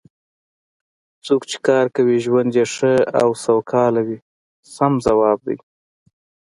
څوک چې کار کوي ژوند یې ښه او سوکاله وي سم ځواب دی.